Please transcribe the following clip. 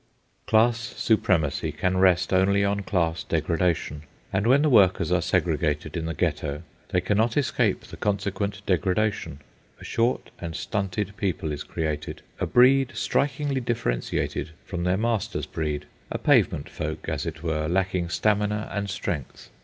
Class supremacy can rest only on class degradation; and when the workers are segregated in the Ghetto, they cannot escape the consequent degradation. A short and stunted people is created—a breed strikingly differentiated from their masters' breed, a pavement folk, as it were, lacking stamina and strength.